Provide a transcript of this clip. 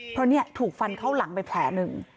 เพราะเนี่ยถูกฟันเข้าหลังไปแผลหนึ่ง